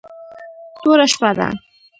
توره شپه ده .